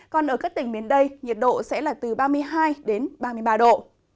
còn ở các tỉnh miền đây nhiệt độ sẽ là từ ba mươi hai đến ba mươi ba độ